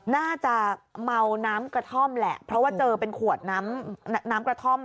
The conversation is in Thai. น่าจะเมาน้ำกระท่อมแหละเพราะว่าเจอเป็นขวดน้ำน้ำกระท่อม